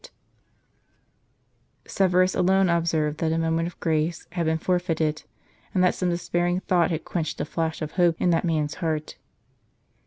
dtr Severus alone observed that a moment of grace had been forfeited, and that some despairing thought had quenched a flash of hope, in that man's heart.